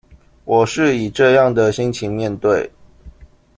我是以這樣的心情面對